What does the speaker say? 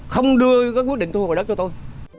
không đưa cái quyết định thu hồi đất cho tôi